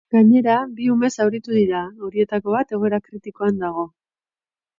Gainera, bi ume zauritu dira, horietako bat egoera kritikoan dago.